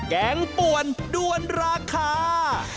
แกงป่วนด้วนราคา